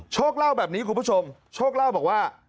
เล่าแบบนี้คุณผู้ชมโชคเล่าบอกว่า